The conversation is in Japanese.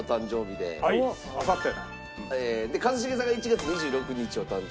で一茂さんが１月２６日お誕生日で。